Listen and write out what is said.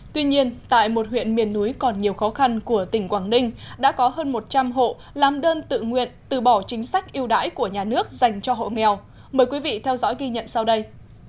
tuy nhiên tại một huyện miền núi còn nhiều khó khăn của tỉnh quảng ninh đã có hơn một trăm linh hộ làm đơn tự nguyện từ bỏ chính sách yêu đãi của nhà nước dành cho hộ nghèo mời quý vị theo dõi ghi nhận sau đây